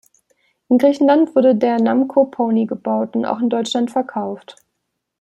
In Griechenland wurde der Namco Pony gebaut und auch in Deutschland verkauft.